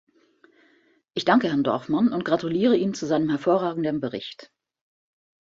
Ich danke Herrn Dorfmann und gratuliere ihm zu seinem hervorragenden Bericht.